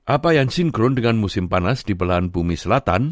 apa yang sinkron dengan musim panas di belahan bumi selatan